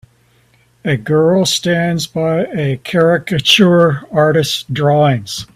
A girls stands by a caricature artist 's drawings.